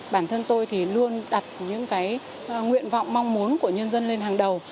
bản thân tôi thì luôn đặt những nguyện vọng mong muốn của nhân dân lên hàng đầu